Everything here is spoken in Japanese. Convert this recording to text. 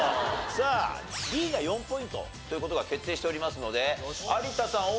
さあＤが４ポイントという事が決定しておりますので有田さん王林さん